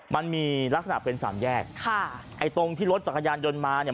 มันมีลักษณะเป็นสามแยกค่ะไอ้ตรงที่รถจักรยานยนต์มาเนี่ย